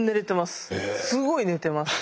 すごい寝てます。